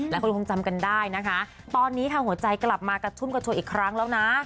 คงจำกันได้นะคะตอนนี้ค่ะหัวใจกลับมากระชุ่มกระชวอีกครั้งแล้วนะ